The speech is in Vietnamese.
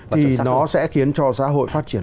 thì nó sẽ khiến cho xã hội phát triển